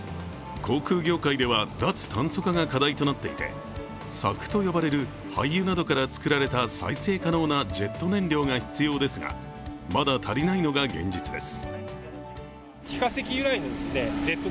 航空業界では脱炭素化が課題となっていてＳＡＦと呼ばれる廃油などから作られた再生可能なジェット燃料が必要ですが、まだ足りないのが現実です。